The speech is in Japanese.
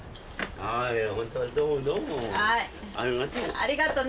ありがとね。